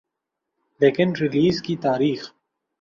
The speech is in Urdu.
لیکن ریلیز کی تاریخ